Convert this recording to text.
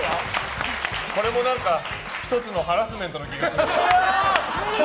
これも１つのハラスメントの気がする。